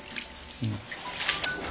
うん。